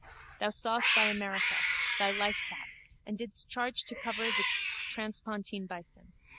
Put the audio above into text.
Thou sawest thy America, thy lifetask, and didst charge to cover like the transpontine bison.